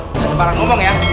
jangan sembarang ngomong ya